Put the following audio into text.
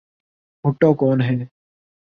بھٹو کون ہیں؟